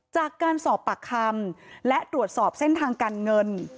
จากการสอบปากคำและตรวจสอบเส้นทางการเงิน